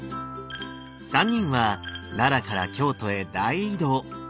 ３人は奈良から京都へ大移動。